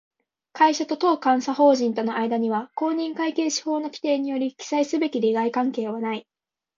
会社と当監査法人との間には、公認会計士法の規定により記載すべき利害関係はない